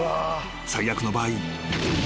［最悪の場合］